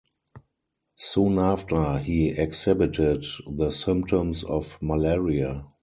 Soon after, he exhibited the symptoms of malaria.